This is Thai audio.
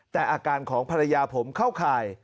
แต่อาการของภรรยาผมเข้าข่าย